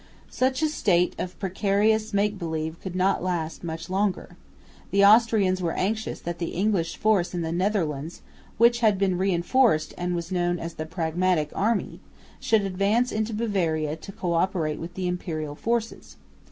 Such a state of precarious make believe could not last much longer. The Austrians were anxious that the English force in the Netherlands, which had been reinforced and was known as the Pragmatic Army, should advance into Bavaria to co operate with the Imperial forces.